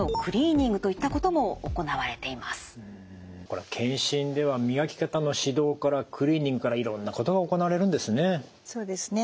更に健診では磨き方の指導からクリーニングからいろんなことが行われるんですね。